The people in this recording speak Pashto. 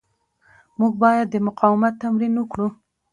موږ باید د مقاومت تمرین وکړو.